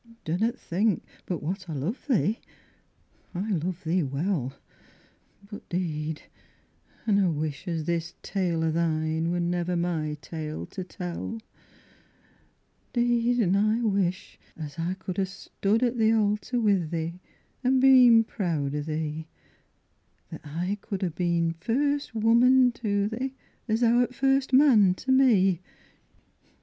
Dunnat thee think but what I love thee I love thee well, But 'deed an' I wish as this tale o' thine wor niver my tale to tell; Deed an' I wish as I could stood at the altar wi' thee an' been proud o' thee, That I could ha' been first woman to thee, as thou'rt first man to me.